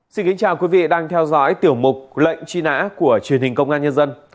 xin kính chào quý vị đang theo dõi tiểu mục lệnh truy nã của truyền hình công an nhân dân